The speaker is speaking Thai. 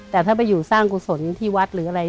แต่ถ้าไปอยู่สร้างกุศลที่วัดหรืออะไร